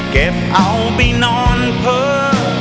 เก็บเอาไปนอนเพิ่ม